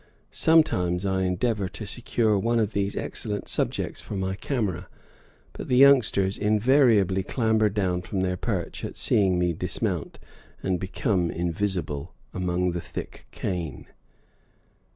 Sometimes I endeavor to secure one of these excellent subjects for my camera, but the youngsters invariably clamber down from their perch at seeing me dismount, and become invisible among the thick cane.